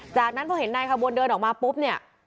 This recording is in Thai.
จากนั้นพอเห็นนายขบวนเดินออกมาปุ๊บเนี่ย